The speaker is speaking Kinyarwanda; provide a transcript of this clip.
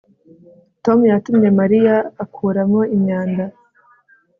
tom yatumye mariya akuramo imyanda